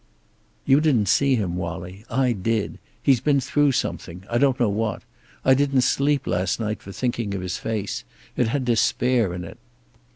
"You didn't see him, Wallie. I did. He's been through something, I don't know what. I didn't sleep last night for thinking of his face. It had despair in it."